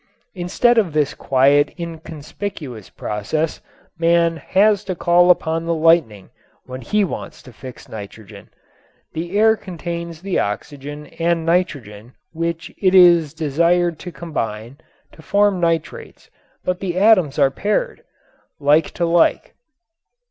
Instead of this quiet inconspicuous process man has to call upon the lightning when he wants to fix nitrogen. The air contains the oxygen and nitrogen which it is desired to combine to form nitrates but the atoms are paired, like to like.